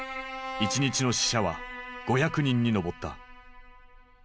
１日の死者は５００人に上った。